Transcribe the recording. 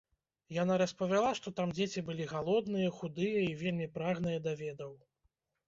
Яна распавяла, што там дзеці былі галодныя, худыя і вельмі прагныя да ведаў.